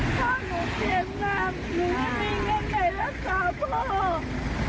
พ่อหนูเสียงงามหนูไม่มีเงินใหม่แล้วค่ะพ่อ